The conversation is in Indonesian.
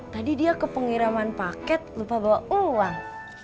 tadi dia ke pengiriman paket lupa bawa uang